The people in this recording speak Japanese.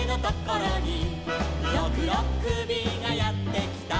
「ろくろっくびがやってきた」